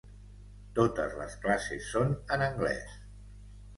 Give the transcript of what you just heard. Totes les classes són en anglès.